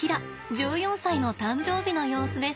１４歳の誕生日の様子です。